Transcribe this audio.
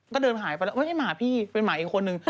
ก็เดินหายไปแล้วไม่ใช่หมาพี่เป็นหมาอีกคนนึง